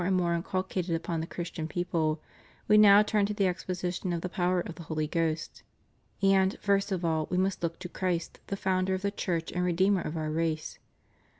427 and more inculcated upon the Christian people, "We now turn to the exposition of the power of the Holy Ghost. And, first of all, we must look to Christ, the Founder of the Church and Redeemer of our race.